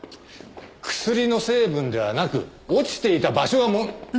薬の成分ではなく落ちていた場所が問題。